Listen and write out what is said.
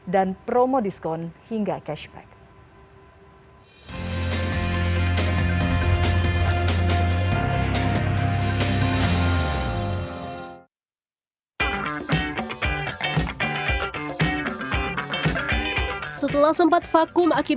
dan promo diskon hingga cashback